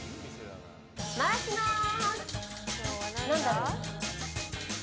回します。